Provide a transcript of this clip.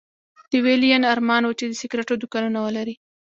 د ويلين ارمان و چې د سګرېټو دوکانونه ولري